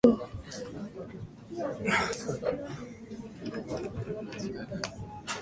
こんばんは、今日のニュースをお伝えします。